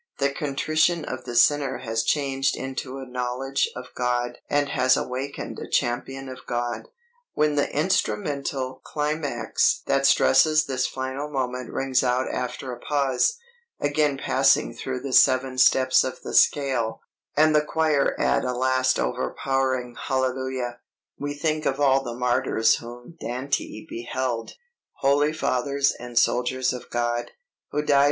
The contrition of the sinner has changed into a knowledge of God and has awakened a champion of God. "When the instrumental climax that stresses this final moment rings out after a pause, again passing through the seven steps of the scale, and the choir add a last overpowering Hallelujah, we think of all the martyrs whom Dante beheld holy fathers and soldiers of God, who died for their faith and formed the heavenly hosts who surround the throne of God.